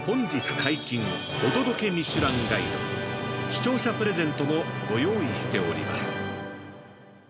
視聴者プレゼントもご用意しております。